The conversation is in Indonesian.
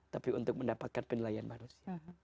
tapi untuk mendapatkan penilaian manusia